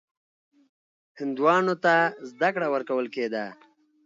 هندوانو ته زده کړه ورکول کېده.